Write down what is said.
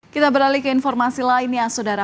kita beralih ke informasi lainnya saudara